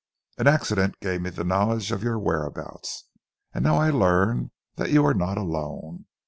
"An accident gave me the knowledge of your whereabouts, and now I learn that you are not alone.